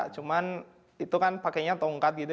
cuman itu kan pakainya tongkat gitu